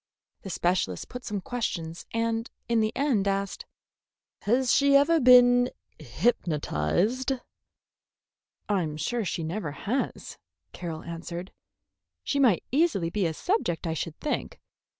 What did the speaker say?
The specialist put some questions and in the end asked: "Has she ever been hypnotized?" "I'm sure she never has," Carroll answered. "She might easily be a subject, I should think.